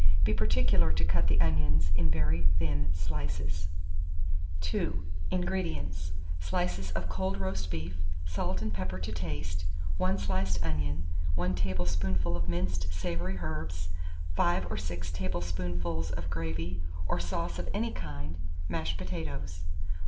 Be particular to cut the onions in very thin slices. II. 599. INGREDIENTS. Slices of cold roast beef, salt and pepper to taste, 1 sliced onion, 1 teaspoonful of minced savoury herbs, 5 or 6 tablespoonfuls of gravy or sauce of any kind, mashed potatoes.